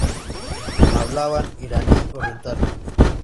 Hablaban iraní oriental.